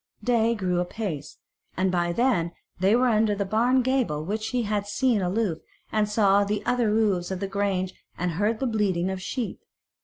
Day grew apace, and by then they were under the barn gable which he had seen aloof he saw the other roofs of the grange and heard the bleating of sheep.